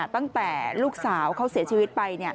ตั้งแต่ลูกสาวเขาเสียชีวิตไป